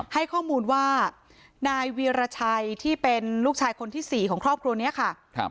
ให้ข้อมูลว่านายวีรชัยที่เป็นลูกชายคนที่๔ของครอบครัวนี้ค่ะ